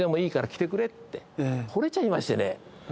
惚れちゃいましてね